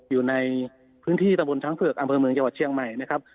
อยู่ในพื้นที่ตะบนช้างเผือกอำเภอเมืองจังหวัดเชียงใหม่นะครับ